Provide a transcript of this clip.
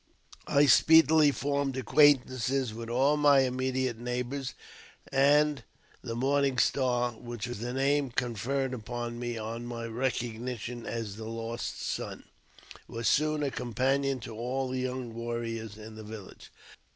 I speedily formed acquaintance with all my immediate neighbours, and the Morning Star (which was the name conferred upon me on my recognition as the lost son) was soon a companion to all the young warriors in the village.